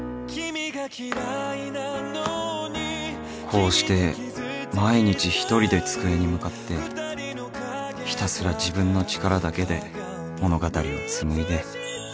こうして毎日一人で机に向かってひたすら自分の力だけで物語を紡いで